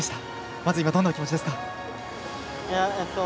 まず今、どんな気持ちですか。